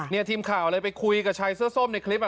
ทีมข่าวเลยไปคุยกับชายเสื้อส้มในคลิป